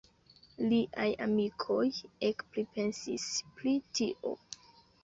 Liaj amikoj ekpripensis pri tio.